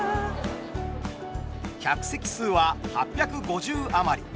客席数は８５０余り。